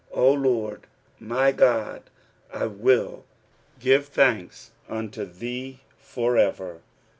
P Lord my God, I will give thanks unto thee for ever.